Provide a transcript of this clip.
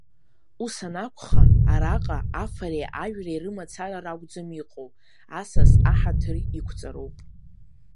Ус анакәха, араҟа афареи ажәреи рымацара ракәӡам иҟоу, асас аҳаҭыр иқәҵароуп.